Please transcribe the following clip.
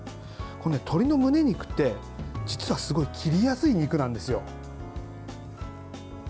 鶏のむね肉って実はすごい切りやすい肉なんですよ。